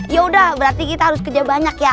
yaudah berarti kita harus kerja banyak ya